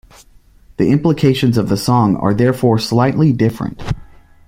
The implications of the song are therefore slightly different.